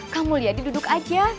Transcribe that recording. kamu liat diduduk aja